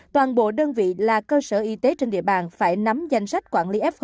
toàn bộ đơn vị là cơ sở y tế trên địa bàn phải nắm danh sách quản lý f hai